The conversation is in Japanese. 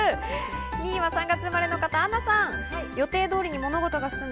２位は３月生まれの方、アンナさん。